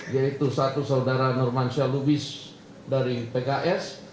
yaitu satu saudara nurman syah lubis dari pks